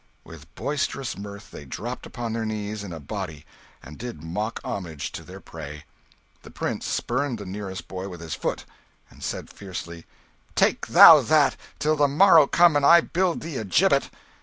With boisterous mirth they dropped upon their knees in a body and did mock homage to their prey. The prince spurned the nearest boy with his foot, and said fiercely "Take thou that, till the morrow come and I build thee a gibbet!"